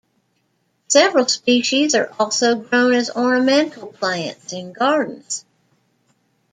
Several species are also grown as ornamental plants in gardens.